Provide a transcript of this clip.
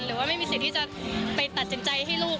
หรือว่าไม่มีสิทธิ์ที่จะไปตัดสินใจให้ลูก